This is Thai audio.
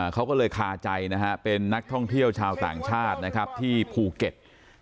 เขาก็เลยคาใจนะฮะเป็นนักท่องเที่ยวชาวต่างชาตินะครับที่ภูเก็ต